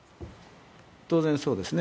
当然そうですね。